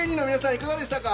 いかがでしたか？